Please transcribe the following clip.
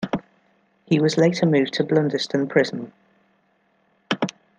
He was later moved to Blundeston Prison.